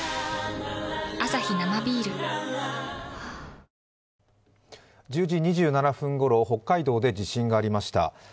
東芝１０時２７分ごろ、北海道で地震がありました。